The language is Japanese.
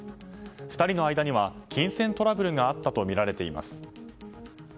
２人の間には金銭トラブルがあったとみられています。